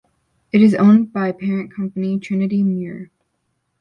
It is owned by parent company Trinity Mirror.